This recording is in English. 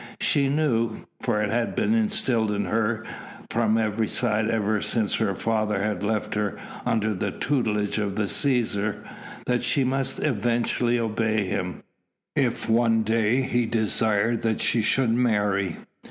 She knew for it had been instilled into her from every side ever since her father had left her under the tutelage of the Cæsar that she must eventually obey him, if one day he desired that she should marry.